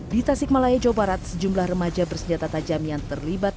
di tasik malaya jawa barat sejumlah remaja bersenjata tajam yang terlibat